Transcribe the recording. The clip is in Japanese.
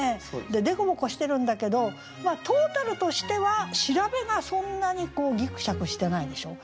凸凹してるんだけどトータルとしては調べがそんなにこうギクシャクしてないでしょう。